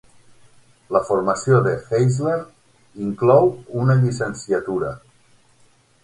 La formació de Geisler inclou una llicenciatura.